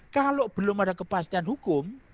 kalau belum ada kepastian hukum